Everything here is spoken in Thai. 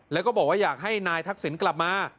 แล้วก็บอกว่าอยากให้นายทักษิณกลับมา